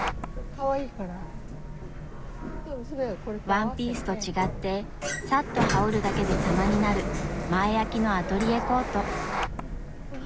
ワンピースと違ってさっと羽織るだけで様になる前あきのアトリエコート。